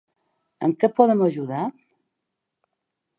Amb que et podem ajudar?